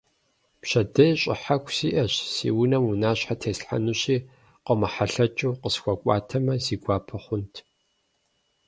Пщэдей щӀыхьэху сиӀэщ, си унэм унащхьэ теслъхьэнущи, къомыхьэлъэкӀыу укъысхуэкӀуатэмэ, си гуапэ хъунт.